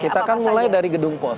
kita akan mulai dari gedung pos